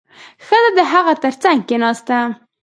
ښځه د هغه تر څنګ کېناسته.